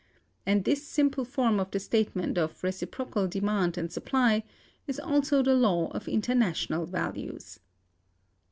And this simple form of the statement of reciprocal demand and supply is also the law of international values.